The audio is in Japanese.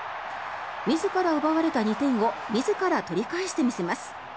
自ら奪われた２点を自ら取り返して見せます。